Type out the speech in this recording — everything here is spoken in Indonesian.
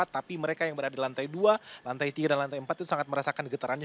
tapi mereka yang berada di lantai dua lantai tiga dan lantai empat itu sangat merasakan getarannya